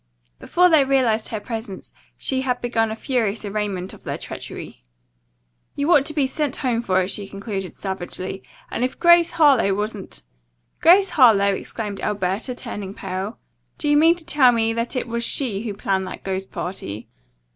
Before they realized her presence she had begun a furious arraignment of their treachery. "You ought to be sent home for it," she concluded savagely, "and if Grace Harlowe wasn't " "Grace Harlowe!" exclaimed Alberta, turning pale. "Do you mean to tell me that it was she who planned that ghost party?"